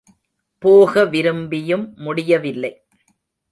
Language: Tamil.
போக விரும்பியும் முடியவில்லை.